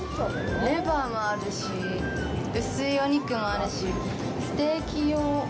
レバーもあるし、薄いお肉もあるし、ステーキ用。